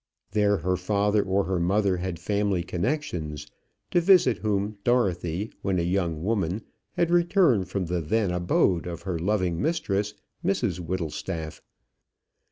There her father or her mother had family connections, to visit whom Dorothy, when a young woman, had returned from the then abode of her loving mistress, Mrs Whittlestaff.